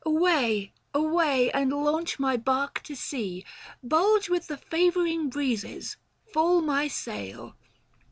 Away, away, and launch my bark to sea ; Bulge with the favouring breezes, full my sail.